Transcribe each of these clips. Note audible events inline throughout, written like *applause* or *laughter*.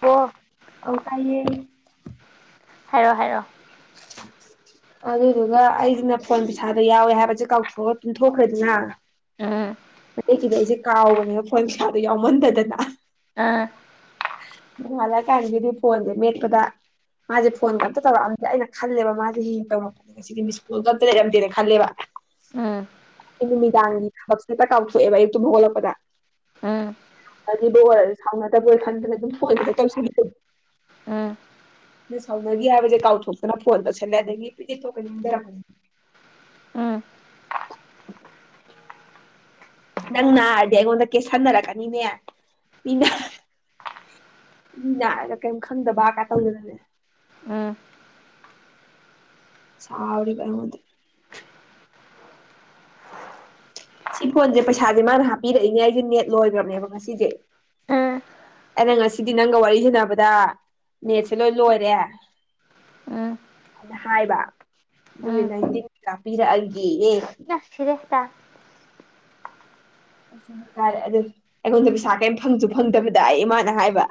ꯑꯣ ꯑꯧ ꯇꯥꯏꯌꯦ ꯍꯥꯏꯔꯣ ꯍꯥꯏꯔꯣ ꯑꯗꯨꯗꯨꯒ ꯑꯩꯁꯤꯅ ꯐꯣꯟ ꯄꯩꯁꯥꯗꯣ ꯌꯥꯎꯋꯦ ꯍꯥꯏꯕꯁꯦ ꯀꯥꯎꯊꯣꯛꯑꯒ ꯄꯨꯨꯝꯊꯣꯛꯈ꯭ꯔꯦꯗꯅ *inaudible* *unintelligible* ꯑꯩꯁꯦ ꯀꯥꯎꯕꯅꯦꯕ ꯐꯣꯟ ꯄꯩꯁꯥꯗꯣ ꯌꯥꯎꯃꯟꯗꯗꯅ ꯑꯥ ꯅꯣꯉꯥꯜꯂꯛꯀꯥꯟꯗꯗꯤ ꯐꯣꯟꯁꯦ ꯃꯦꯠꯄꯗ ꯃꯥꯖꯦ ꯐꯣꯟꯒ ꯑꯝꯇ ꯇꯧꯔꯛꯑꯝꯗꯦ ꯑꯩꯅ ꯈꯜꯂꯦꯕ ꯃꯥꯁꯦ *unintelligible* ꯉꯁꯤꯗꯤ ꯃꯤꯁꯀꯣꯜꯒ ꯑꯝꯇ ꯂꯩꯔꯝꯗꯦ ꯈꯜꯂꯦꯕ ꯎꯝ ꯎꯝ ꯅꯨꯃꯤꯗꯥꯡꯒꯤ ꯊꯕꯛ ꯍꯦꯛꯇ ꯀꯥꯎꯊꯣꯛꯑꯦꯕ ꯑꯩ ꯇꯨꯝ ꯍꯧꯒꯠꯂꯛꯄꯗ ꯎꯝ *inaudible* ꯍꯥꯏꯗꯤꯕꯨ ꯑꯣꯏꯔꯁꯨ ꯁꯥꯎꯅꯗꯕꯣꯏ ꯈꯟꯗꯅ ꯑꯗꯨꯝ ꯐꯣꯟ ꯍꯦꯛꯇ ꯇꯧꯁꯤꯂꯦ *inaudible* ꯑ ꯎꯝ ꯗꯣ ꯁꯥꯎꯅꯈꯤ ꯍꯥꯏꯕꯁꯦ ꯀꯥꯎꯊꯣꯛꯇꯅ ꯐꯣꯟ ꯇꯧꯁꯜꯂꯦ ꯑꯗꯒꯤ *unintelligible* ꯅꯪ ꯅꯥꯔꯗꯤ ꯑꯩꯉꯣꯟꯗ ꯀꯦꯁꯟꯅꯔꯛꯀꯅꯤꯅꯦ ꯃꯤ *inaudible* ꯃꯤꯅꯔꯥ ꯀꯦꯝ ꯈꯪꯗꯕ ꯀꯥꯏ ꯇꯧꯗꯅꯅꯦ ꯎꯝ *unintelligible* ꯁꯤ ꯐꯣꯟꯁꯦ ꯄꯩꯁꯥꯁꯦ ꯃꯥꯅ ꯍꯥꯞꯄꯤꯔꯛꯏꯅꯦ ꯑꯩꯒꯤ ꯅꯦꯠ ꯂꯣꯏꯒ꯭ꯔꯅꯦꯕ ꯉꯁꯤꯖꯦ ꯎꯝ *unintelligible* ꯁꯤꯗꯤ ꯅꯪꯒ ꯋꯥꯔꯤ ꯁꯥꯅꯕꯗ ꯅꯦꯠꯁꯦ ꯂꯣꯏ ꯂꯣꯏꯔꯦ ꯎꯝ ꯍꯥꯏꯅ ꯍꯥꯏꯕ ꯑꯗꯨꯒꯤ ꯎꯝ ꯅꯥꯏꯟꯇꯤꯟ *unintelligible* ꯄꯤꯔꯛꯑꯒꯦ ꯌꯦ *unintelligible* ꯁꯔꯦ ꯑꯗꯨ ꯑꯩꯉꯣꯟꯗ ꯄꯩꯁꯥ ꯀꯦꯝ ꯐꯪꯁꯨ ꯐꯪꯗꯕꯤꯗꯌꯦ ꯃꯥꯅ ꯍꯥꯏꯕ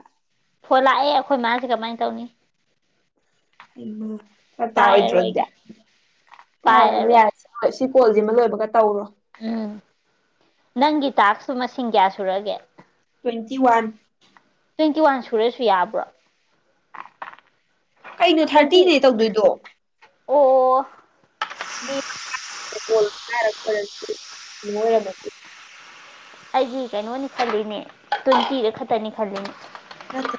ꯐꯣꯟ ꯂꯥꯛꯑꯦ ꯑꯩꯈꯣꯏ ꯃꯥꯁꯦ ꯀꯃꯥꯏ ꯇꯧꯅꯤ *unintelligible* ꯐ꯭ꯔꯛ ꯇꯥꯔꯣꯏꯗ꯭ꯔꯣ ꯑꯗꯨꯗꯤ ꯄꯥꯏꯔꯔꯣꯏꯒꯦ ꯄꯥꯏꯔꯨꯔꯅꯨ ꯄꯥꯏꯔꯔꯣꯏ ꯌꯥꯔꯦ ꯑ ꯁꯤ ꯀꯣꯜꯁꯤꯃ ꯂꯣꯏꯕ *unintelligible* ꯇꯧꯔꯣ ꯎꯝ ꯅꯪꯒꯤ ꯇꯥꯛꯁꯇꯣ ꯃꯁꯤꯡ ꯀꯌꯥ ꯁꯨꯔꯒꯦ ꯇ꯭ꯋꯦꯟꯇꯤ ꯋꯥꯟ ꯇ꯭ꯋꯦꯟꯇꯤꯋꯥꯟ ꯁꯨꯔꯁꯨ ꯌꯥꯕ꯭ꯔꯣ ꯀꯩꯅꯣ ꯇ꯭ꯋꯦꯟꯇꯤ ꯊꯔꯇꯤꯅꯦ ꯇꯧꯗꯣꯏꯗꯣ ꯑꯣ *unintelligible* ꯑꯩꯗꯤ ꯀꯩꯅꯣꯅꯦ ꯈꯜꯂꯤꯅꯦ ꯇꯣꯏꯟꯇꯤꯔꯛ ꯈꯛꯇꯅꯦ ꯈꯜꯂꯤꯅꯦ ꯅꯠꯇꯦ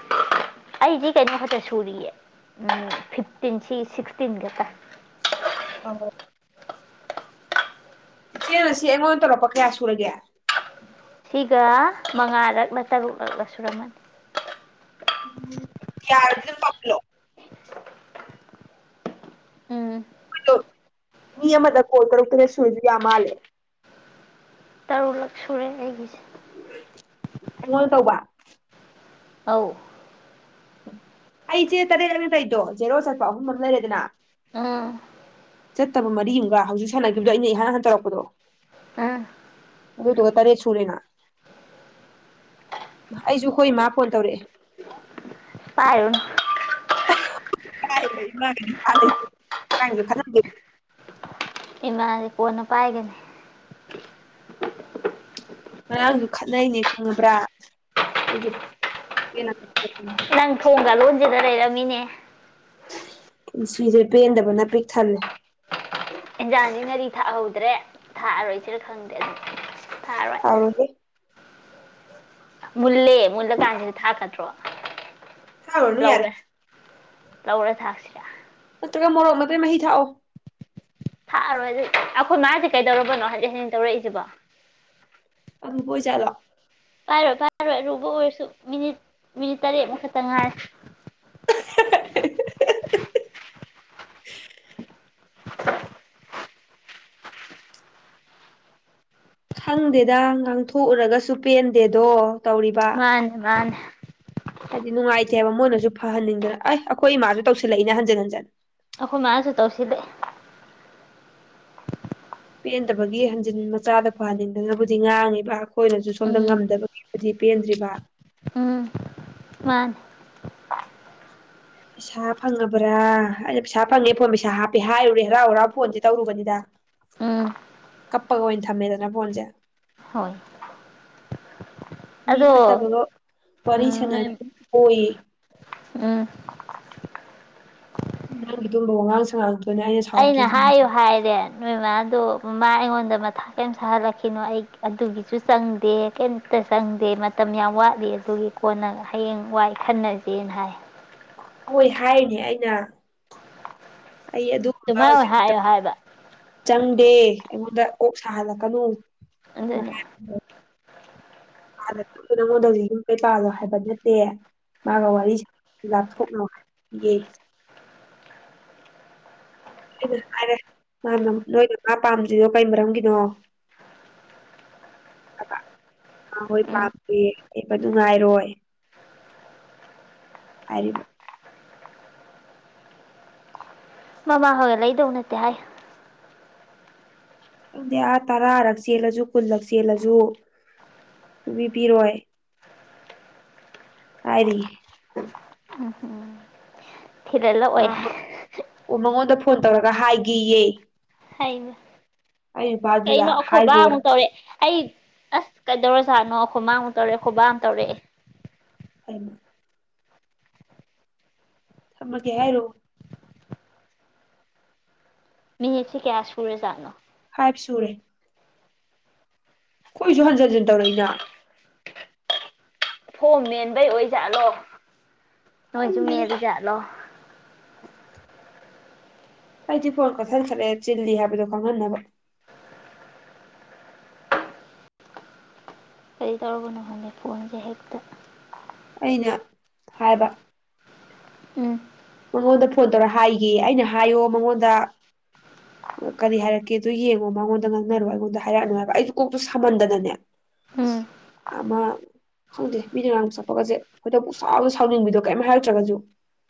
ꯑꯩꯗꯤ ꯀꯩꯅꯣ ꯈꯛꯇ ꯁꯨꯔꯤꯌꯦ ꯎꯝ ꯐꯤꯞꯇꯤꯟ ꯁꯤ ꯁꯤꯛꯁꯇꯤꯟ ꯈꯛꯇ *inaudible* ꯏꯆꯦꯅ ꯉꯁꯤ ꯑꯩꯉꯣꯟꯗ ꯇꯧꯔꯛꯄ ꯀꯌꯥ ꯁꯨꯔꯒꯦ ꯁꯤꯒ ꯃꯉꯥꯔꯛꯂ ꯇꯔꯨꯛꯂꯛꯂ ꯁꯨꯔꯝꯃꯅꯤ ꯌꯥꯔꯗꯤ ꯗꯨꯝ ꯇꯧꯁꯤꯜꯂꯣ ꯎꯝ *unintelligible* ꯃꯤ ꯑꯃꯗ ꯀꯣꯜ ꯇꯔꯨꯛ ꯇꯔꯦꯠ ꯁꯨꯔꯗꯤ ꯌꯥ ꯃꯥꯜꯂꯦ ꯇꯔꯨꯛꯂꯛ *unintelligible* ꯑꯩꯉꯣꯟ ꯇꯧꯕ ꯑꯧ ꯑꯩ ꯆꯦ ꯇꯔꯦꯠ ꯂꯛꯅꯦ ꯇꯧꯔꯤꯗꯣ ꯖꯦꯔꯣ ꯆꯠꯄ ꯑꯍꯨꯝꯃ ꯂꯩꯔꯦꯗꯅ ꯎꯝ ꯆꯠꯇꯕ ꯃꯔꯤꯑꯝꯒ ꯍꯧꯖꯤꯛ ꯁꯥꯟꯅꯈꯤꯕꯗꯣ ꯑꯩꯅ ꯏꯍꯥꯟ ꯍꯥꯟ ꯇꯧꯔꯛꯄꯗꯣ ꯎꯝ ꯑꯗꯨꯗꯨꯒ ꯇꯔꯦꯠ ꯁꯨꯔꯦꯅ ꯑꯩꯁꯨ ꯍꯣꯏ ꯃꯥ ꯐꯣꯟ ꯇꯧꯔꯛꯑꯦ *unintelligible* *unintelligible* ꯏꯃꯥꯗꯤ ꯀꯣꯟꯅ ꯄꯥꯏꯒꯅꯤ ꯉꯔꯥꯡꯁꯨ ꯈꯠꯅꯩꯅꯦ ꯈꯪꯉꯕ꯭ꯔꯥ ꯑꯩꯗꯤ ꯄꯦꯜꯕꯅꯤ ꯅꯪ ꯊꯣꯡꯒ ꯂꯣꯟꯖꯤꯜꯂ ꯂꯩꯔꯝꯃꯤꯅꯦ ꯄꯨꯟꯁꯤꯁꯦ ꯄꯦꯟꯗꯕꯅ ꯄꯤꯛ ꯊꯜꯂꯦ ꯏꯟꯖꯥꯡꯁꯦ ꯉꯥꯔꯤ ꯊꯥꯛꯍꯧꯗ꯭ꯔꯦ ꯊꯥꯛꯑꯔꯣꯏꯁꯤꯔꯥ ꯈꯪꯗꯦ ꯑ ꯁꯥꯎꯔꯣꯏꯍꯦ ꯃꯨꯜꯂꯦ ꯃꯨꯜꯂꯥ ꯀꯥꯟꯁꯤꯗꯤ ꯊꯥꯛꯀꯗ꯭ꯔꯣ ꯊꯥꯎꯔꯅꯨ ꯌꯥꯔꯦ ꯂꯧꯔꯥ ꯊꯥꯛꯁꯤꯔ ꯅꯠꯇ꯭ꯔꯒ ꯃꯣꯔꯣꯛ ꯃꯦꯠꯄꯩ ꯃꯍꯤ ꯊꯥꯛ ꯑꯣ ꯊꯥꯛ ꯑꯔꯣꯏ ꯑꯩꯈꯣꯏ ꯃꯥꯁꯦ ꯀꯩꯗꯧꯔꯕꯅꯣ ꯍꯥꯏꯖꯤꯟ ꯍꯖꯤꯟ ꯇꯧꯔꯛꯏ ꯁꯤꯕꯣ ꯑꯔꯨꯕ ꯑꯣꯏ ꯖꯠꯂꯣ ꯄꯥꯏꯔꯣꯏ ꯄꯥꯏꯔꯣꯏ ꯑꯔꯨꯕ ꯑꯣꯏꯔꯁꯨ ꯃꯤꯅꯤꯠ ꯃꯤꯅꯤꯠ ꯇꯔꯦꯠꯃꯨꯛ ꯈꯛꯇ ꯉꯥꯏꯔꯦ *inaudible* ꯈꯪꯗꯦꯗ ꯉꯥꯡꯊꯣꯛ ꯎꯔꯒꯁꯨ ꯄꯦꯟꯗꯦꯗꯣ ꯇꯧꯔꯤꯕ ꯃꯥꯅꯦ ꯃꯥꯅꯦ ꯍꯥꯏꯗꯤ ꯅꯨꯡꯉꯥꯏ ꯇꯦꯕ ꯃꯣꯏꯅꯁꯨ ꯐꯍꯟꯅꯤꯡꯗꯅ ꯑꯦ ꯑꯩꯈꯣꯏ ꯏꯃꯥꯁꯨ ꯇꯧꯁꯤꯜ ꯂꯛꯏꯅꯦ ꯍꯟꯖꯤꯟ ꯍꯟꯖꯤꯟ ꯑꯩꯈꯣꯏ ꯃꯥꯁꯨ ꯇꯧꯁꯤꯜꯂꯛꯑꯦ ꯄꯦꯟꯗꯕꯒꯤ ꯍꯟꯖꯤꯟ ꯃꯆꯥꯗ ꯐꯍꯟꯅꯤꯡꯗꯅꯕꯨꯗꯤ ꯉꯥꯡꯉꯤꯕ ꯑꯩꯈꯣꯏꯅꯁꯨ ꯁꯣꯝꯗ ꯎꯝ ꯉꯝꯗꯕꯒꯤꯕꯨꯗꯤ ꯄꯦꯟꯗ꯭꯭ꯔꯤꯕ ꯎꯝ *unintelligible* ꯄꯩꯁꯥ ꯐꯪꯉꯥꯕ꯭ꯔꯥ ꯑꯩꯅ ꯄꯩꯁꯥ ꯐꯪꯉꯦ ꯐꯣꯟ ꯄꯩꯁꯥ ꯍꯥꯞꯄꯦ ꯍꯥꯏꯔꯨꯔꯦ ꯍꯔꯥꯎ ꯍꯔꯥꯎ ꯐꯣꯟꯁꯦ ꯇꯧꯔꯨꯕꯅꯤꯗ ꯎꯝ ꯀꯞꯄꯒ ꯑꯣꯏꯅ ꯊꯝꯃꯦꯗꯅ ꯐꯣꯟꯁꯦ ꯍꯣꯏ ꯃꯤ ꯑꯗꯣ ꯐꯠꯇꯕꯔꯣ ꯋꯥꯔꯤ ꯎꯝ ꯁꯅꯥ ꯅꯣꯏ ꯕꯤꯌꯨꯀꯣ ꯌꯦ ꯎꯝ ꯃꯥꯒꯤ ꯑꯗꯨꯒꯨꯝꯕ ꯋꯉꯥꯡ ꯁꯉꯥꯡꯗꯣ ꯑꯩꯅ ꯍꯥꯏꯌꯨ ꯍꯥꯏꯔꯦ ꯅꯣꯏ ꯃꯥ ꯑꯗꯣ ꯃꯥ ꯑꯩꯉꯣꯟꯗ ꯃꯊꯥ ꯀꯩꯝ ꯁꯥꯍꯜꯂꯛꯈꯤꯅꯣ ꯑꯩ ꯑꯗꯨꯒꯤꯁꯨ ꯆꯪꯗꯦ ꯀꯩꯌꯤꯝꯇ ꯆꯪꯗꯦ ꯃꯇꯝ ꯌꯥꯝ ꯋꯥꯠꯂꯤ ꯑꯗꯨꯒꯤ ꯀꯣꯟꯅ ꯍꯌꯦꯡ ꯋꯥꯏ ꯈꯟꯅꯖꯦꯅ ꯍꯥꯏꯌꯦ ꯍꯣꯏ ꯍꯥꯏꯔꯤꯅꯦ ꯑꯩꯅ ꯑꯩ ꯑꯗꯨꯒꯨꯝꯕ ꯑꯗꯨꯃꯥꯏ ꯑꯣꯏ ꯍꯥꯏꯌꯣ ꯍꯥꯏꯕ ꯗꯦ ꯑꯩꯉꯣꯟꯗ ꯀꯣꯛ ꯁꯥꯍꯜꯂꯛꯀꯅꯨ ꯑꯗꯨꯅꯤ *unintelligible* ꯑꯗꯨꯗꯣ ꯍꯧꯖꯤꯛꯅꯪ ꯉꯣꯟꯗ ꯌꯨꯝꯀꯩ ꯄꯥꯜꯂꯣ ꯍꯥꯏꯕ ꯅꯠꯇꯦ ꯃꯥꯒ ꯋꯥꯔꯤ ꯂꯥꯞꯊꯣꯛꯅꯧ ꯍꯥꯏꯌꯦ ꯑꯩꯅ ꯍꯥꯏꯔꯦ ꯅꯣꯏꯅ ꯃꯥ ꯄꯥꯝꯗ꯭ꯔꯤꯗꯣ ꯀꯩ ꯃꯔꯝꯒꯤꯅꯣ ꯏꯃꯥ ꯍꯣꯏ ꯎꯝ ꯄꯥꯝꯗꯦ ꯂꯩꯕ ꯅꯨꯡꯉꯥꯏꯔꯣꯏ ꯍꯥꯏꯔꯤꯕ ꯃꯃꯥ ꯍꯣꯏꯒ ꯂꯩꯗꯧ ꯅꯠꯇꯦ ꯍꯥꯏꯌꯣ ꯑꯗꯨꯗꯤ ꯑꯥ ꯇꯔꯥ ꯔꯛ ꯆꯦꯜꯂꯁꯨ ꯀꯨꯟꯂꯛ ꯆꯦꯜꯂꯁꯨ ꯁꯨꯛꯄꯤ ꯄꯤꯔꯣꯏ ꯍꯥꯏꯔꯤꯌꯦ ꯊꯤꯜꯍꯜ ꯂꯛꯑꯣꯏ ꯑꯣ ꯃꯉꯣꯟꯗ ꯐꯣꯟ ꯇꯧꯔꯒ ꯍꯥꯏꯒꯦꯌꯦ ꯍꯩꯃ ꯑꯩ ꯅꯨꯄꯥꯗꯨꯗ ꯀꯩꯅꯣ ꯑꯈꯣꯏ ꯕꯥ ꯍꯥꯏꯒꯣ ꯑꯃꯨꯛ ꯇꯧꯔꯛꯑꯦ ꯑꯩ ꯑꯁ ꯀꯩꯗꯧꯔꯥ ꯖꯥꯠꯅꯣ ꯑꯩꯈꯣꯏ ꯃꯥ ꯃꯨꯛ ꯇꯧꯔꯛꯑꯦ ꯑꯈꯣꯏ ꯕꯥ ꯃꯨꯛ ꯇꯧꯔꯛꯑꯦ ꯍꯩꯏꯃ ꯊꯃꯒꯦ ꯍꯥꯏꯔꯣ ꯃꯤꯅꯤꯠꯁꯤ ꯀꯌꯥ ꯁꯨꯔꯖꯥꯠꯅꯣ ꯐꯥꯏꯚ ꯁꯨꯔꯦ ꯑꯩꯈꯣꯏꯁꯨ ꯍꯟꯖꯤꯟ ꯍꯟꯖꯤꯟ ꯇꯧꯔꯛꯏꯅ ꯐꯣꯝ ꯃꯦꯟꯕꯩ ꯑꯣꯏꯖꯥꯠꯂꯣ ꯅꯣꯏꯁꯨ ꯈꯪꯗꯦꯗ ꯃꯦꯜꯂꯤ ꯖꯥꯥꯠꯂꯣ ꯑꯩꯗꯤ ꯐꯣꯟ ꯀꯛꯊꯠꯈ꯭ꯔꯦ ꯆꯤꯜꯂꯤ ꯍꯥꯏꯕꯗꯣ ꯈꯪꯍꯟꯅꯕ ꯀꯔꯤ ꯇꯧꯔꯕꯅꯣ ꯈꯪꯗꯦ ꯐꯣꯟꯁꯦ ꯍꯦꯛꯇ ꯑꯩꯅ ꯍꯥꯏꯕ ꯎꯝ ꯃꯉꯣꯟꯗ ꯐꯣꯟ ꯇꯧꯔ ꯍꯥꯏꯒꯦ ꯑꯩꯅ ꯍꯥꯏꯌꯣ ꯃꯉꯣꯟꯗ ꯀꯔꯤ ꯍꯥꯏꯔꯛꯀꯦꯗꯨ ꯌꯦꯡꯉꯣ ꯃꯉꯣꯟꯗ ꯉꯥꯡꯅꯔꯣ ꯑꯩꯉꯣꯟꯗ ꯍꯥꯏꯔꯛꯑꯅꯨ ꯍꯥꯏꯕ ꯑꯩꯗꯣ ꯀꯣꯛꯇꯨ ꯁꯥꯃꯟꯗꯅꯅꯦ ꯎꯝ ꯑꯃ ꯈꯪꯗꯦ ꯃꯤꯅ ꯉꯥꯡ ꯁꯛꯄꯒꯁꯦ ꯈꯣꯢꯗꯧ ꯄꯪꯁꯥꯎꯗ ꯁꯥꯎꯅꯤꯡꯕꯤꯗꯣ ꯀꯔꯤꯝ ꯍꯥꯏꯔꯛꯇ꯭ꯔꯒꯁꯨ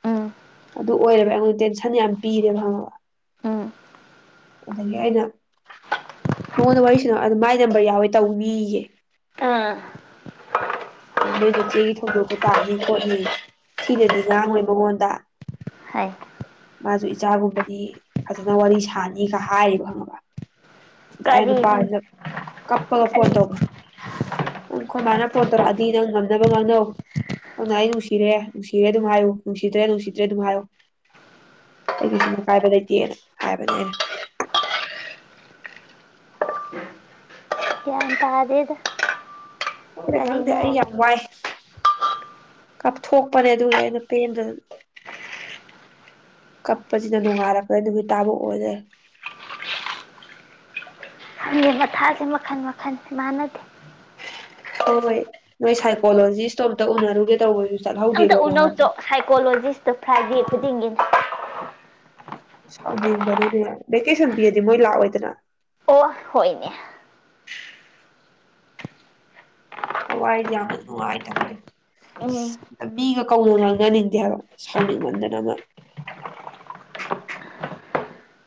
ꯎꯝ ꯑꯗꯨ ꯑꯣꯏꯔꯕ ꯑꯩꯉꯣꯟꯗ ꯇꯦꯟꯁꯟ ꯌꯥꯝ ꯄꯤꯔꯦꯕ ꯈꯪꯉꯕ ꯎꯝ ꯑꯗꯒꯤ ꯑꯩꯅ ꯃꯉꯣꯟꯗ ꯋꯥꯔꯤꯁꯥꯅꯧ ꯑꯗꯨ ꯃꯥꯏ ꯅꯝꯕꯔ ꯌꯥꯎꯋꯦ ꯇꯧꯅꯤꯌꯦ ꯑꯥ ꯑꯗꯨ ꯅꯣꯏ ꯅꯆꯦꯒꯤ ꯊꯧꯗꯣꯛꯇꯨ ꯇꯥꯅꯤ ꯈꯣꯠꯅꯤ ꯊꯤꯅꯗꯤ ꯉꯥꯡꯉꯣꯏ ꯃꯉꯣꯟꯗ ꯍꯥꯏ ꯃꯥꯁꯨ ꯏꯆꯥꯒꯨꯝꯕꯅꯤ ꯐꯖꯅ ꯋꯥꯔꯤ ꯁꯥꯅꯤꯒ ꯍꯥꯏꯔꯤꯕ ꯈꯪꯉꯕ ꯑꯩ ꯀꯔꯤꯅꯣ ꯅꯨꯄꯥꯖꯦ ꯀꯞꯄꯒ ꯐꯣꯟ ꯀꯔꯤ ꯇꯧꯕ ꯑꯈꯣꯏ ꯃꯥꯅ ꯐꯣꯟ ꯇꯧꯔꯛꯑꯗꯤ ꯗꯤ ꯅꯪ ꯉꯝꯅꯕ ꯉꯥꯡꯅꯧ ꯅꯪꯅ ꯑꯩ ꯅꯨꯡꯁꯤꯔꯦ ꯅꯨꯡꯁꯤꯔꯦ ꯑꯗꯨꯝ ꯍꯥꯏꯌꯨ ꯅꯨꯡꯁꯤꯗ꯭ꯔꯦ ꯅꯨꯡꯁꯤꯗ꯭ꯔꯦ ꯑꯗꯨꯝ ꯍꯥꯏꯌꯨ ꯑꯩ ꯀꯩꯁꯨꯨꯝ ꯑꯀꯥꯏꯕ ꯂꯩꯇꯦꯅ ꯍꯥꯏꯕꯅꯦ ꯑꯩꯅ ꯒ꯭ꯌꯥꯟ ꯇꯥꯗꯦꯗ ꯈꯪꯗꯦ ꯈꯪꯗꯦ ꯀꯔꯤꯅꯣ ꯑꯩ ꯌꯥꯝ ꯋꯥꯏ ꯀꯞꯊꯣꯛꯄꯅꯦ ꯑꯗꯨꯒꯤ ꯑꯩꯅ ꯄꯦꯟꯗꯗꯅ ꯀꯞꯄꯁꯤꯗ ꯅꯣꯡꯉꯥꯂꯕ꯭ꯔ ꯅꯨꯃꯤꯠ ꯇꯥꯕ ꯑꯣꯏꯔꯦ ꯃꯤ ꯃꯊꯥꯁꯦ ꯃꯈꯜ ꯃꯈꯟꯅꯤ ꯃꯥꯟꯅꯗꯦ ꯍꯣꯏ ꯍꯣꯏ ꯅꯣꯏ ꯁꯥꯏꯀꯣꯂꯣꯖꯤꯁꯇꯣ ꯑꯝꯇ ꯎꯅꯔꯨꯒꯦ ꯇꯧꯕꯅꯦ ꯑꯝꯇ ꯎꯅꯧ ꯆꯣ ꯁꯥꯏꯀꯣꯂꯣꯖꯤꯁꯇꯣ ꯐ꯭ꯔꯥꯏꯗꯦ *unintelligible* ꯁꯥꯎꯅꯤꯡꯕꯅꯅꯦ ꯚꯦꯀꯦꯁꯟ ꯄꯤꯔꯗꯤ ꯃꯣꯏ ꯂꯥꯛꯑꯣꯏꯗꯅ ꯑꯣ ꯍꯣꯏꯅꯦ ꯊꯋꯥꯏ ꯌꯥꯝꯅ ꯅꯨꯡꯉꯥꯏꯇꯕꯗꯣ ꯎꯝ ꯑ ꯃꯤꯒ ꯀꯧꯅ ꯉꯥꯡꯅꯅꯤꯡꯗꯦ ꯍꯥꯏꯕ ꯁꯥꯎꯅꯤꯡꯃꯟꯗꯅꯒ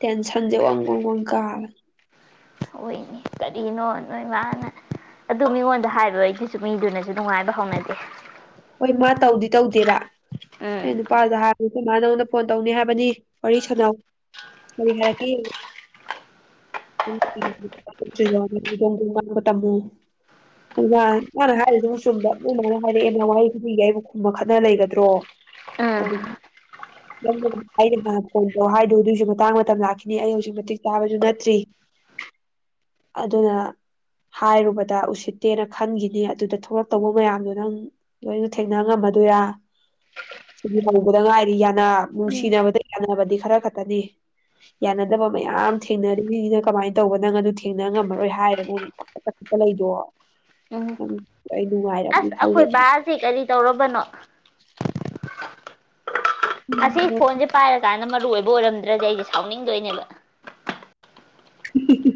ꯇꯦꯟꯁꯟꯁꯦ ꯋꯡ ꯋꯡ ꯋꯡ ꯀꯥꯔꯦ ꯍꯣꯏꯅꯦ ꯀꯔꯤꯅꯣ ꯅꯣꯏ ꯃꯥꯅ ꯑꯗꯨ ꯃꯤꯉꯣꯟꯗ ꯍꯥꯏꯕ ꯑꯩꯗꯨꯁꯨ ꯃꯤꯗꯨꯅꯁꯨ ꯅꯨꯡꯉꯥꯏꯕ ꯍꯧꯅꯗꯦ ꯍꯣꯏ ꯃꯥ ꯇꯧꯗꯤ ꯇꯧꯗꯦꯕ ꯎꯝ ꯑꯩ ꯅꯨꯄꯥꯗꯨꯗ ꯍꯥꯏ ꯑꯗꯨ ꯃꯥ ꯅꯉꯣꯟꯗ ꯐꯣꯟ ꯇꯧꯅꯤ ꯍꯥꯏꯕꯅꯤ ꯋꯥꯔꯤ ꯁꯥꯟꯅꯧ ꯀꯔꯤ ꯍꯥꯏꯔꯛꯀꯦ ꯌꯦꯡꯉꯨ ꯗꯣꯡ ꯗꯣꯡ ꯉꯥꯡꯕ ꯇꯝꯃꯨ ꯈꯪꯉꯕ꯭ꯔ ꯑꯗꯨ ꯃꯥꯅ ꯍꯥꯏꯔ ꯑꯗꯨꯝ ꯆꯨꯝꯕ ꯅꯣꯏ ꯃꯥꯅ ꯍꯥꯏꯔꯛꯑꯦ ꯋꯥꯍꯩ ꯈꯨꯗꯤꯡꯒꯤ ꯑꯩꯕꯨ ꯈꯨꯝꯃ ꯈꯠꯅ ꯂꯩꯒꯗ꯭ꯔꯣ ꯎꯝ ꯑꯗꯨ ꯅꯪ ꯑꯩꯅ ꯃꯥꯅ ꯐꯣꯟ ꯇꯧ ꯍꯥꯏꯗꯨ ꯑꯗꯨꯏꯁꯨ ꯃꯇꯥꯡ ꯃꯇꯝ ꯂꯥꯛꯈꯤꯅꯤ ꯑꯩ ꯍꯧꯖꯤꯛ ꯃꯇꯤꯛ ꯆꯥꯕꯁꯨ ꯅꯠꯇ꯭ꯔꯤ ꯑꯗꯨꯅ ꯍꯥꯏꯔꯨꯕꯗ ꯎꯁꯤꯠꯇꯦꯅ ꯈꯟꯈꯤꯅꯤ ꯑꯗꯨꯗ ꯊꯣꯛꯂꯛꯇꯧꯕ ꯃꯌꯥꯝꯗꯣ ꯅꯪ ꯂꯣꯏꯅ ꯊꯦꯡꯅ ꯉꯝꯃꯗꯣꯏꯔ ꯁꯤꯗꯤ ꯍꯧꯕꯗ ꯉꯥꯏꯔꯤ ꯌꯥꯅꯕ ꯎꯝ ꯅꯨꯡꯁꯤꯅꯕꯗ ꯌꯥꯅꯕꯗꯤ ꯈꯔ ꯈꯛꯇꯅꯤ ꯌꯥꯅꯗꯕ ꯃꯌꯥꯝ ꯊꯦꯡꯅꯔꯤꯁꯤꯅ ꯀꯃꯥꯏꯅ ꯇꯧꯕ ꯅꯪ ꯑꯗꯨ ꯊꯦꯡꯅ ꯉꯝꯃꯔꯣꯏ ꯍꯥꯏꯔ ꯅꯪ ꯄꯠ ꯀꯛꯊꯠꯂꯛꯏꯗꯣ ꯎꯝ ꯅꯪ ꯑꯩ ꯅꯨꯡꯉꯥꯏ ꯑꯩꯈꯣꯏ ꯕꯥ ꯁꯤ ꯀꯔꯤ ꯇꯧꯔꯕꯅꯣ ꯑꯁꯤ ꯐꯣꯟꯁꯦ ꯄꯥꯏꯔ ꯀꯥꯟꯗ ꯃꯔꯨ ꯑꯣꯏꯕ ꯕꯣꯔꯝꯗ꯭ꯔꯗꯤ ꯑꯩꯁꯦ ꯁꯥꯎꯅꯤꯡꯗꯣꯏꯅꯦꯕ ꯍꯤ ꯍꯤ ꯍꯤ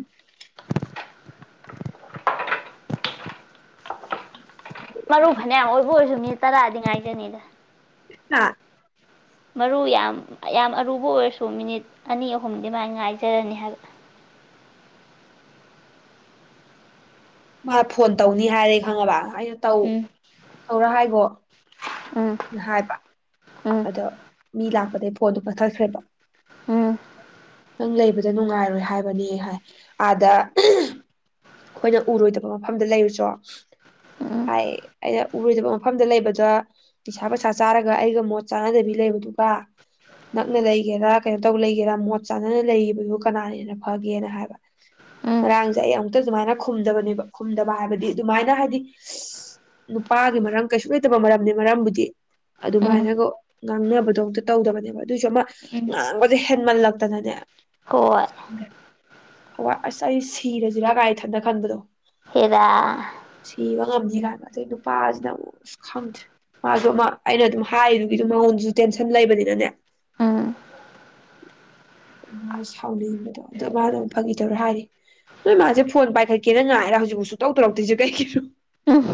ꯃꯔꯨ ꯐꯅꯌꯥꯝ ꯑꯣꯏꯕ ꯑꯣꯏꯔꯁꯨ ꯃꯤꯅꯤꯠ ꯇꯔꯥꯗꯤ ꯉꯥꯏꯖꯅꯤꯗ *unintelligible* ꯃꯔꯨ ꯌꯥꯝ ꯌꯥꯝ ꯑꯔꯨꯕ ꯑꯣꯏꯔꯁꯨ ꯃꯤꯅꯤꯠ ꯑꯅꯤ ꯑꯍꯨꯝ ꯃꯥꯏꯅ ꯉꯥꯏꯖꯔꯅꯤ ꯍꯥꯏꯕ ꯃꯥ ꯐꯣꯟ ꯇꯧꯅꯤ ꯍꯥꯏꯔꯦ ꯈꯪꯉꯕ ꯑꯩꯅ ꯇꯧ ꯎꯝ ꯇꯧꯔ ꯍꯥꯏꯒꯣ ꯎꯝ ꯍꯥꯏꯕ ꯑꯗꯣ ꯃꯤ ꯂꯥꯛꯄꯗꯒꯩ ꯐꯣꯟꯗꯣ ꯀꯛꯊꯠꯈ꯭ꯔꯦꯕ ꯎꯝ ꯎꯝ ꯅꯪ ꯂꯩꯕꯗ ꯅꯨꯡꯉꯥꯏꯔꯣꯏ ꯍꯥꯏꯕꯅꯦ ꯍꯥꯏ ꯑꯥꯗ ꯈꯣꯏꯅ ꯎꯔꯣꯏꯗꯕ ꯃꯐꯝꯗ ꯂꯩꯔꯨꯆꯣ ꯎꯝ ꯍꯥꯏ ꯑꯩꯅ ꯎꯔꯣꯏꯗꯕ ꯃꯐꯝꯗ ꯂꯩꯕꯗ ꯅꯤꯁꯥ ꯄꯁꯥ ꯆꯥꯔꯒ ꯑꯩꯒ ꯃꯣꯠ ꯆꯥꯅꯗꯕꯤ ꯂꯩꯕꯗꯨꯒ ꯅꯛꯅ ꯂꯩꯒꯦꯔꯥ ꯀꯩꯅꯣ ꯇꯧ ꯂꯩꯒꯦꯔꯥ ꯃꯣꯠ ꯆꯥꯟꯅꯅ ꯂꯩꯕꯗꯨ ꯀꯅꯥꯅ ꯍꯦꯟꯅ ꯐꯒꯦꯅ ꯍꯥꯏꯕ ꯎꯝ ꯉꯔꯥꯡꯁꯦ ꯑꯩ ꯌꯝ ꯑꯗꯨꯃꯥꯏꯅ ꯈꯨꯝꯗꯕꯅꯦꯕ ꯈꯨꯝꯗꯕ ꯍꯥꯏꯕꯗꯤ ꯑꯗꯨꯃꯥꯏꯅ ꯍꯥꯏꯗꯤ ꯅꯨꯄꯥꯒꯤ ꯃꯔꯝ ꯀꯩꯁꯨ ꯂꯩꯇꯕ ꯃꯔꯝꯅꯤ ꯃꯔꯝꯕꯨꯗꯤ ꯎꯝ ꯑꯗꯨꯃꯥꯏꯅꯒ ꯉꯥꯡꯅꯕꯗꯣ ꯑꯝꯛꯇ ꯇꯧꯗꯕꯅꯦꯕ ꯑꯗꯨꯑꯣꯏꯁꯨ ꯑꯃ ꯉꯥꯡꯕꯁꯦ ꯍꯦꯟꯃꯜꯂꯛꯇꯅꯅꯦ ꯀꯣꯏ ꯑꯣ ꯑꯁ ꯑꯩ ꯁꯤꯔꯦ ꯖꯤꯔꯥ ꯀꯥꯏ ꯏꯊꯟꯗ ꯈꯟꯕꯗꯣ ꯍꯦꯔꯥ ꯁꯤꯕ ꯉꯝꯅꯤ ꯍꯥꯏꯕ ꯑꯗꯩ ꯅꯨꯄꯥꯁꯤꯅ ꯑꯃꯨꯛ ꯑꯁ ꯈꯪꯗꯦ ꯃꯥꯁꯨ ꯑꯃ ꯑꯩꯅ ꯑꯗꯨꯝ ꯍꯥꯏꯗꯨꯒꯤ ꯃꯉꯣꯟꯁꯨ ꯇꯦꯟꯁꯟ ꯂꯩꯕꯅꯤꯅꯅꯦ ꯎꯝ ꯃꯥ ꯁꯥꯎꯅꯤꯡꯕꯗꯣ ꯑꯗꯣ ꯃꯥꯅ ꯑꯃꯨꯛ ꯐꯪꯈꯤꯗꯧꯔ ꯍꯥꯏꯔꯤ ꯅꯣꯏ ꯃꯥꯁꯦ ꯐꯣꯟ ꯄꯥꯏꯈꯠꯀꯦꯅ ꯉꯥꯏꯔ ꯍꯧꯖꯤꯛꯐꯥꯎ ꯁꯨꯛꯇꯧ ꯇꯧꯔꯛꯇ꯭ꯔꯤꯁꯦ ꯀꯩꯒꯤꯅꯣ ꯎꯝ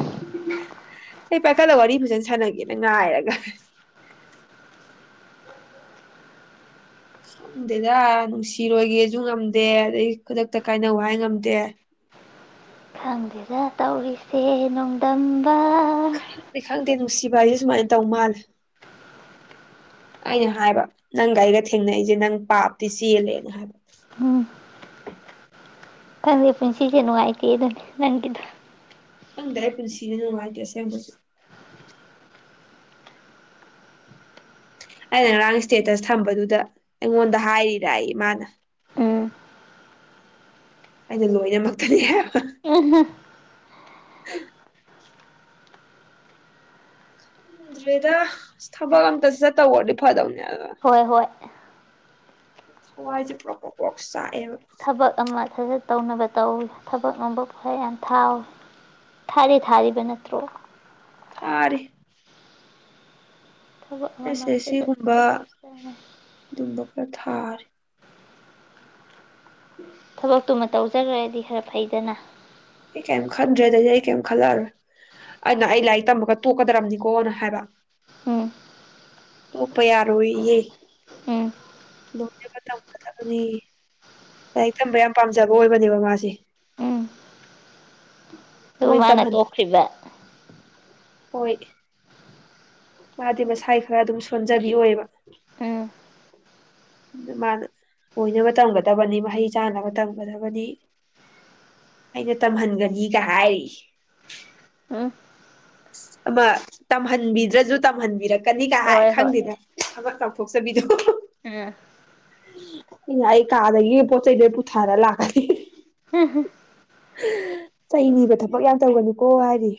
ꯑꯩ ꯄꯥꯏꯈꯠꯂꯒ ꯋꯥꯔꯤ ꯐꯖꯅ ꯁꯥꯟꯅꯒꯦꯅ ꯉꯥꯏꯔꯒ ꯈꯪꯗꯦꯗ ꯅꯨꯡꯁꯤꯔꯣꯏꯒꯦꯁꯨ ꯉꯝꯗꯦ ꯑꯗꯩ ꯈꯨꯗꯛꯇ ꯀꯥꯏꯅꯧ ꯍꯥꯏ ꯉꯝꯗꯦ ꯈꯪꯗꯦꯗ ꯇꯧꯔꯤꯁꯦ ꯅꯣꯡꯗꯝ ꯑꯗꯨꯕꯨꯗꯤ ꯈꯪ ꯇꯦ ꯅꯨꯡꯁꯤꯕ ꯍꯥꯏꯁꯦ ꯁꯨꯃꯥꯏꯅ ꯇꯧ ꯃꯥꯜꯂꯦ ꯑꯩꯅ ꯍꯥꯏꯕ ꯅꯪꯒ ꯑꯩꯒ ꯊꯦꯡꯅꯩꯖꯦ ꯅꯪ ꯄꯥꯞꯇꯤ ꯆꯦꯜꯂꯦ ꯍꯥꯏꯕ ꯎꯝ ꯈꯪꯗꯦ ꯄꯨꯟꯁꯤꯁꯦ ꯅꯨꯡꯉꯥꯏꯇꯦ ꯑꯗꯨꯅꯤ ꯅꯪꯒꯤꯗꯣ ꯈꯪꯗ꯭ꯔꯦ ꯄꯨꯟꯁꯤꯁꯦ ꯅꯨꯡꯉꯥꯏꯇꯦ ꯑꯁꯦꯡꯕꯩꯁꯨ ꯑꯩꯅ ꯉꯔꯥꯡ ꯁꯇꯦꯇꯁ ꯊꯝꯕꯗꯨꯗ ꯑꯩꯉꯣꯟꯗ ꯍꯥꯏꯔꯤꯔ ꯑꯦ ꯃꯥꯅ ꯎꯝ ꯑꯩꯅ ꯂꯣꯏꯅꯃꯛꯇꯅꯤ ꯍꯥꯏꯕ *unintelligible* *inaudible* ꯈꯪꯗ꯭ꯔꯦꯗ ꯑꯁ ꯊꯕꯛ ꯑꯝꯇ ꯁꯁꯠꯇꯧꯔꯗꯤ ꯐꯗꯧꯅꯤ ꯍꯣꯏ ꯍꯣꯏ ꯊꯋꯥꯏꯁꯦ ꯄ꯭ꯔꯣꯛ ꯄ꯭ꯔꯣꯛ ꯄ꯭ꯔꯣꯛ ꯆꯥꯛꯑꯦꯕ ꯊꯕꯛ ꯑꯃ ꯊꯥꯖ ꯇꯧꯅꯕ ꯇꯧ ꯊꯕꯛ ꯅꯣꯝꯕ ꯈꯔ ꯌꯥꯝ ꯊꯥꯎ ꯊꯥꯗꯤ ꯊꯥꯔꯤꯕ ꯅꯠꯇ꯭ꯔꯣ ꯊꯥꯔꯤ ꯊꯕꯛ ꯑꯃ ꯑꯃ ꯑꯦꯁ ꯑꯦꯁ ꯁꯠ ꯁꯠ ꯁꯤꯒꯨꯝꯕ ꯇꯧꯔꯁꯨ ꯑꯗꯨꯒꯩꯡꯕ ꯈꯔ ꯊꯥꯔꯤ *unintelligible* ꯊꯕꯛꯇꯨꯃ ꯇꯧꯖꯈ꯭ꯔꯗꯤ ꯈꯔ ꯐꯩꯗꯅ ꯀꯦꯝ ꯈꯟꯗ꯭ꯔꯦꯗꯗꯤ ꯑꯩ ꯀꯦꯝ ꯈꯜꯂꯛꯔꯣꯏ ꯑꯩꯅ ꯑꯩ ꯂꯥꯏꯔꯤꯛ ꯇꯝꯃꯒ ꯇꯣꯛꯀꯗꯕꯅꯤꯀꯣꯅ ꯍꯥꯏꯕ ꯎꯝ ꯇꯣꯛꯄ ꯌꯥꯔꯣꯏꯌꯦ ꯎꯝ ꯂꯣꯏꯅꯕ ꯇꯝꯒꯗꯕꯅꯦꯌꯦ ꯂꯥꯏꯔꯤꯛ ꯇꯝꯕ ꯌꯥꯝ ꯄꯥꯝꯖꯕ ꯑꯣꯏꯕꯅꯦꯕ ꯃꯥꯁꯦ ꯎꯝ ꯑꯗꯨ ꯃꯣꯏꯅ ꯃꯥꯅ ꯇꯝꯍꯟꯗ꯭ꯔꯦ ꯇꯣꯛꯈ꯭ꯔꯤꯕ ꯍꯣꯏ ꯃꯥꯗꯤ ꯃꯁꯥꯏ ꯈꯔ ꯑꯗꯨꯝ ꯁꯣꯟꯖꯕꯤ ꯑꯣꯏꯕ ꯎꯝ ꯑꯗꯨ ꯃꯥꯅ ꯑꯣꯏꯅꯕ ꯇꯝꯒꯗꯕꯅꯤ ꯃꯍꯩ ꯆꯥꯅꯕ ꯇꯝꯒꯗꯕꯅꯤ ꯑꯩꯅ ꯇꯝꯍꯟꯒꯅꯤꯒ ꯍꯥꯏꯔꯤꯌꯦ ꯎꯝ ꯑꯃ ꯇꯝꯍꯟꯕꯤꯗ꯭ꯔꯁꯨ ꯇꯝꯍꯟꯕꯤꯔꯛ ꯀꯅꯤ ꯀ ꯍꯥꯏ ꯍꯣꯏ ꯍꯣꯏ ꯈꯪꯗꯦꯅꯦ ꯆꯥꯎꯊꯣꯛꯆꯕꯤꯗꯣ ꯎꯝ ꯎꯝ ꯑꯩ ꯀꯥꯗꯒꯤ ꯄꯣꯠꯆꯩ ꯂꯣꯏꯅ ꯄꯨꯊꯔ ꯂꯥꯛꯀꯅꯤ ꯆꯩꯅꯤꯕ ꯊꯕꯛ ꯌꯥꯝ ꯇꯧꯒꯅꯤꯨꯀꯣ ꯍꯥꯏꯔꯤ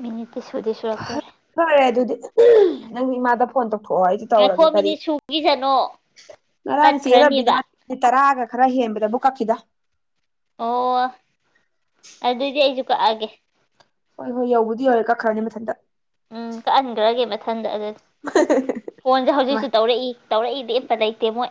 ꯃꯤꯅꯤꯠꯇꯤ ꯁꯨꯗꯤ ꯐ ꯁꯨꯔꯛꯇꯣꯔꯦ ꯐꯔꯦ ꯑꯗꯨꯗꯤ ꯅꯪ ꯏꯃꯥꯗ ꯐꯣꯟ ꯇꯧ ꯊꯣꯛ ꯍꯥꯏꯗꯤ ꯇꯧꯔꯒꯦ ꯉꯥꯏꯈꯣ ꯀꯔꯤ ꯃꯤꯅꯤꯠ ꯁꯨꯈꯤꯁꯅꯣ ꯉꯔꯥꯡ ꯇꯠꯈ꯭ꯔꯅꯤꯕ ꯆꯦꯔꯕꯤꯅ ꯇꯔꯥꯒ ꯈꯔ ꯍꯦꯟꯕꯗ ꯃꯨꯠ ꯀꯥꯛꯈꯤꯗ ꯑꯣ ꯑꯗꯨꯗꯤ ꯑꯩꯖꯨ ꯀꯛꯑꯒꯦ *inaudible* ꯍꯣꯏ ꯍꯣꯏ ꯌꯧꯕꯨꯗꯤ ꯌꯧꯔꯦ ꯀꯛꯈ꯭ꯔꯅꯤ ꯃꯊꯟꯇ ꯎꯝ ꯀꯛꯍꯟꯒꯔꯒꯦꯕ ꯈꯪꯗꯦ ꯐꯣꯟꯁꯦ ꯍꯧꯖꯤꯛꯁꯨ ꯇꯧꯔꯛꯏ ꯇꯧꯔꯛꯏꯗꯤ ꯏꯞꯄ ꯂꯩꯇꯦ ꯃꯣꯏ